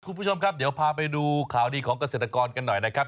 คุณผู้ชมครับเดี๋ยวพาไปดูข่าวดีของเกษตรกรกันหน่อยนะครับ